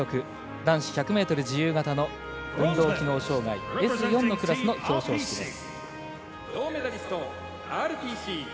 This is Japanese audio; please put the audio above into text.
男子１００ｍ自由形の運動機能障がいＳ４のクラスの表彰式です。